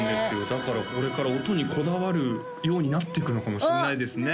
だからこれから音にこだわるようになっていくのかもしれないですね